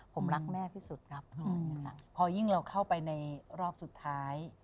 ผมรักแม่ที่สุดครับพอยิ่งเราเข้าไปในรอบสุดท้าย